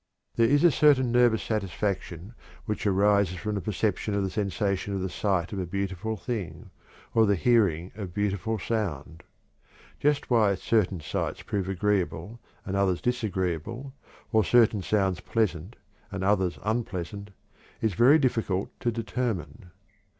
There is a certain nervous satisfaction which arises from the perception of the sensation of the sight of a beautiful thing, or of the hearing of beautiful sound. Just why certain sights prove agreeable and others disagreeable, or certain sounds pleasant and others unpleasant, is very difficult to determine.